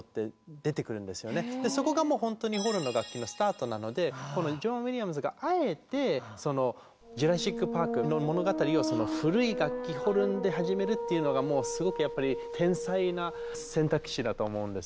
そこがもう本当にホルンの楽器のスタートなのでこのジョン・ウィリアムズがあえてその「ジュラシック・パーク」の物語をその古い楽器ホルンで始めるっていうのがもうすごくやっぱり天才な選択肢だと思うんですよね。